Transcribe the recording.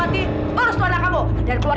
aku ibas pengecewar